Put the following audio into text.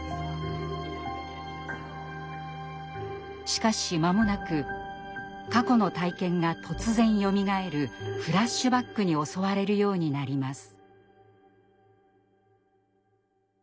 しかし間もなく過去の体験が突然よみがえるフラッシュバックに襲われるようになります。